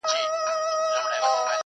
خره هم ورکړې څو لغتي په سینه کي !.